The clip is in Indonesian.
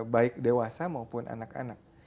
baik dewasa maupun anak anak